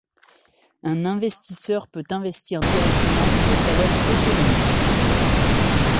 Un investisseur peut investir directement, il est alors autonome.